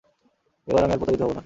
এবার আমি আর প্রতারিত হবো না।